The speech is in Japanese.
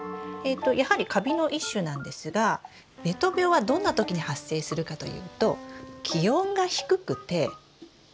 やはりカビの一種なんですがべと病はどんな時に発生するかというと気温が低くて雨が多い時。